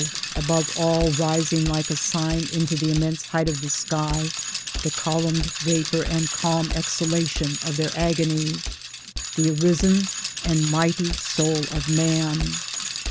above all rising like a sign into the immense height of the sky, the columned vapor and calm exhalation of their agony —• The Arisen and mighty soul of Man